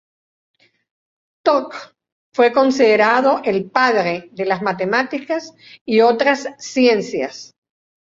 Thot fue considerado el "padre" de las matemáticas y otras ciencias.